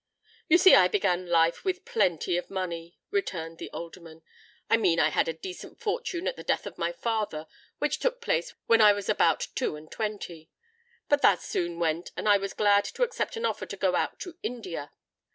"You see I began life with plenty of money," returned the Alderman: "I mean I had a decent fortune at the death of my father, which took place when I was about two and twenty. But that soon went; and I was glad to accept an offer to go out to India.